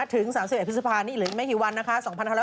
ถึง๓๑พฤษภานี้หรือไม่กี่วันนะคะ